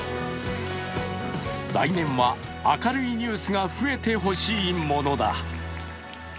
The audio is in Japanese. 来年は明るいニュースが増えてほしいものだ。